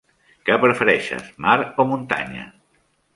Què prefereixes, mar o muntanya?